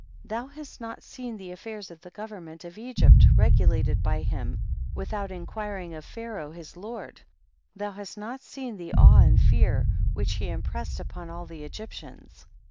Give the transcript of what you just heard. Thou hast not seen the affairs of the government of Egypt regulat ed by him, without inquiring of Pha raoh his lord ; thou hast not seen the awe and fear which he impressed upon all the Egyptians.